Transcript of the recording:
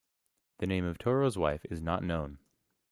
The name of Toros's wife is not known.